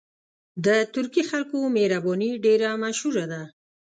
د ترکي خلکو مهرباني ډېره مشهوره ده.